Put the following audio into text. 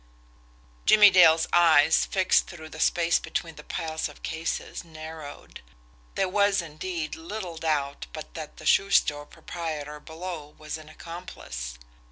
Jimmie Dale's eyes, fixed through the space between the piles of cases, narrowed there was, indeed, little doubt but that the shoe store proprietor below was an accomplice!